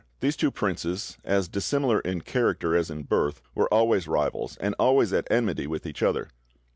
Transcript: These two princes, as dissimilar in character as in birth, were always rivals and always at enmity with each other.